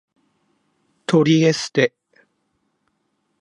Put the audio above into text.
トリエステ